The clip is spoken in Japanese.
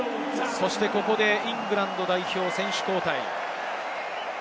そしてここでイングランド代表、選手交代。